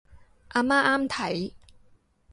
阿媽啱睇